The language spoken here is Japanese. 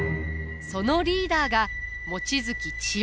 そのリーダーが望月千代。